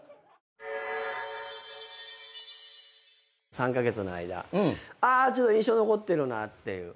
３カ月の間あちょっと印象残ってるなっていう。